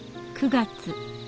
９月。